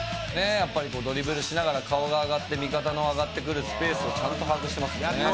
やっぱりドリブルしながら顔が上がって味方の上がってくるスペースをちゃんと把握してますね。